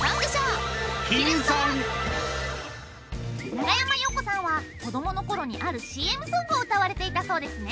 長山洋子さんは子どものころにあるＣＭソングを歌われていたそうですね。